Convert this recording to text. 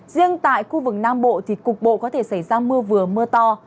riêng tại khu vực nam bộ thì cục bộ có thể xảy ra mưa vừa mưa to